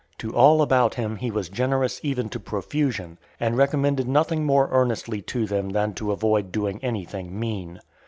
To all about him he was generous even to profusion, and recommended nothing more earnestly to them than to avoid doing anything mean.